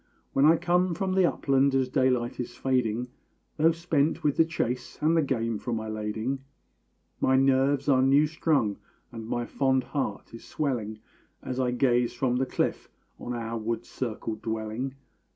When I come from the upland as daylight is fading, Though spent with the chase, and the game for my lading, My nerves are new strung and my fond heart is swelling As I gaze from the cliff on our wood circled dwelling.